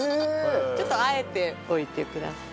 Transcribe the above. ちょっと和えておいてください。